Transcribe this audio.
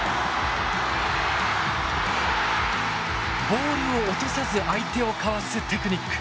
ボールを落とさず相手をかわすテクニック。